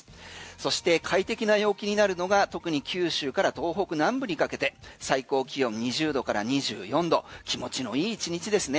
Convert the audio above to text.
そして快適な陽気になるのが特に九州から東北南部にかけて最高気温２０度から２４度気持ちのいい１日ですね。